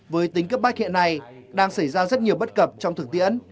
với tính cấp bách hiện nay đang xảy ra rất nhiều bất cập trong thực tiễn